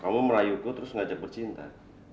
kamu merayuku terus ngajak bercinta